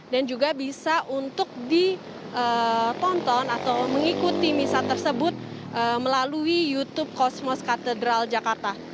dan juga bisa untuk ditonton atau mengikuti misa tersebut melalui youtube kosmos katedral jakarta